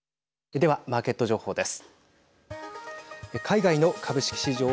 では、マーケット情報です。